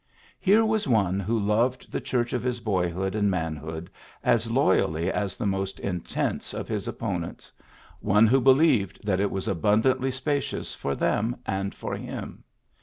'^ Here was one who loved the Church of his boyhood and manhood as loyally as the most intense of his opponents, one who believed that it was abundantly spacious for them and for him.